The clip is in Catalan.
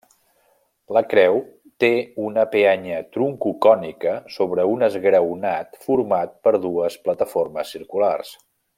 La creu té una peanya troncocònica sobre un esgraonat format per dues plataformes circulars.